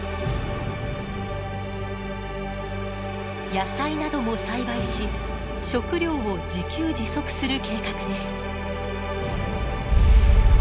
野菜なども栽培し食料を自給自足する計画です。